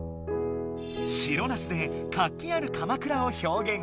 白ナスで活気ある鎌倉を表現。